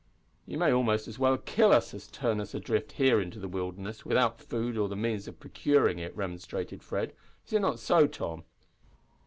"You may almost as well kill us as turn us adrift here in the wilderness, without food or the means of procuring it," remonstrated Fred. "Is it not so, Tom?"